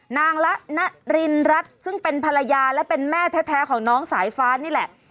ละนรินรัฐซึ่งเป็นภรรยาและเป็นแม่แท้ของน้องสายฟ้านี่แหละ